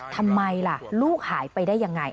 ทำไมล่ะลูกหายไปได้ยังไง